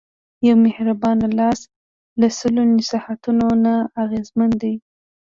یو مهربان لاس له سلو نصیحتونو نه اغېزمن دی.